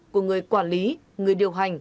của người quản lý người điều hành